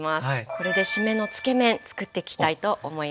これで“締め”のつけ麺つくっていきたいと思います。